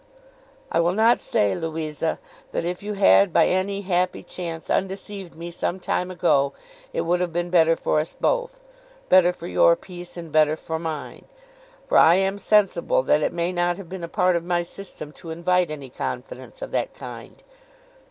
'I will not say, Louisa, that if you had by any happy chance undeceived me some time ago, it would have been better for us both; better for your peace, and better for mine. For I am sensible that it may not have been a part of my system to invite any confidence of that kind.